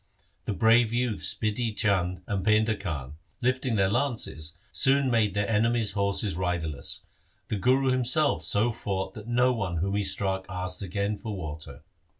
The brave youths Bidhi Chand and Painda Khan, lifting their lances, soon made their enemies' horses riderless. The Guru himself so fought that no one whom he struck asked again for water.